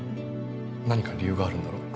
何か理由があるんだろ？